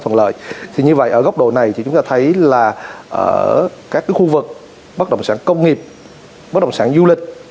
thuận lợi thì như vậy ở góc độ này thì chúng ta thấy là ở các khu vực bất đồng sản công nghiệp bất đồng sản du lịch